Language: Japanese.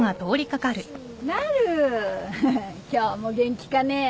なる今日も元気かね。